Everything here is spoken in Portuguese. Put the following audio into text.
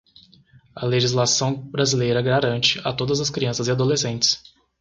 A legislação brasileira garante, a todas as crianças e adolescentes